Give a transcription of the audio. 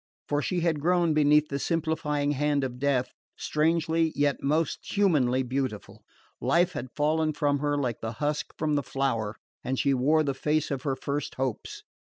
For she had grown, beneath the simplifying hand of death, strangely yet most humanly beautiful. Life had fallen from her like the husk from the flower, and she wore the face of her first hopes.